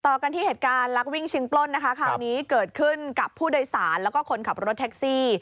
ต่อกันที่เหตุการณ์ลักวิ่งชิงปล้นนะคะคราวนี้เกิดขึ้นกับผู้โดยสารแล้วก็คนขับรถแท็กซี่